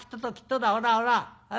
ほらほら。